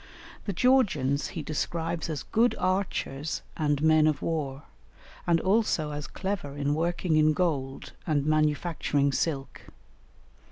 The Georgians, he describes as good archers and men of war, and also as clever in working in gold and manufacturing silk.